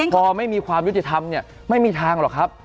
พอไม่มีความยุติธรรมเนี่ยไม่มีทางหรอกครับ